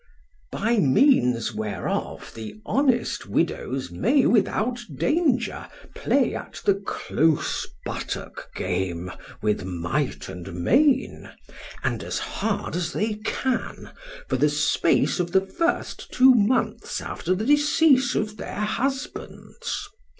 By means whereof the honest widows may without danger play at the close buttock game with might and main, and as hard as they can, for the space of the first two months after the decease of their husbands.